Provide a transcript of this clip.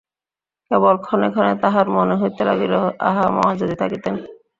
কেবল ক্ষণে ক্ষণে তাহার মনে হইতে লাগিল, আহা, মা যদি থাকিতেন!